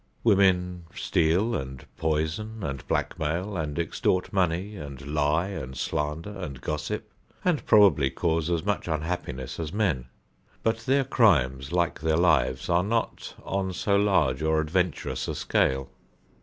Women steal and poison and blackmail and extort money and lie and slander and gossip, and probably cause as much unhappiness as men; but their crimes, like their lives, are not on so large or adventurous a scale.